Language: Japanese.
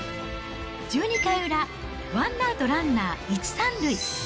１２回裏、ワンアウトランナー１、３塁。